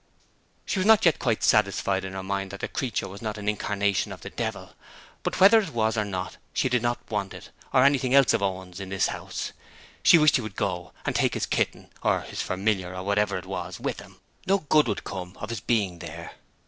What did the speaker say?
She was not yet quite satisfied in her mind that the creature was not an incarnation of the Devil, but whether it was or not she did not want it, or anything else of Owen's, in this house. She wished he would go, and take his kitten or his familiar or whatever it was, with him. No good could come of his being there.